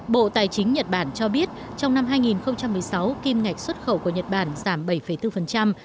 bộ tài chính nhật bản cho biết trong năm hai nghìn một mươi sáu kim ngạch xuất khẩu của nhật bản giảm bảy bốn